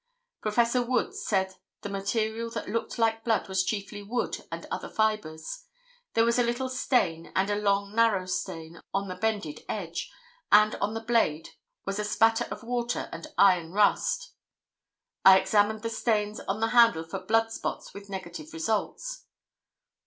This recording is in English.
Professor Wood said the material that looked like blood was chiefly wood and other fibres. There was a little stain and a long narrow stain on the bended edge, and on the blade was a spatter of water and iron rust. "I examined the stains on the handle for blood spots with negative results."